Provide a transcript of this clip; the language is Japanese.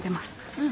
うん。